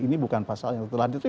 ini bukan pasal yang terlanjur